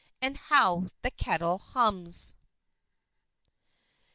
and how the kettle hums!